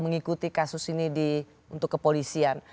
mengikuti kasus ini untuk kepolisian